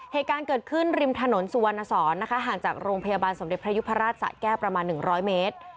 เหตุการณ์เกิดขึ้นริมถนนสุวรรณสอนนะคะห่างจากโรงพยาบาลสมเด็จพระยุพราชสะแก้วประมาณ๑๐๐เมตร